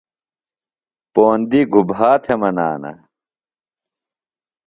پوندیۡ گُبھا تھےۡ منانہ؟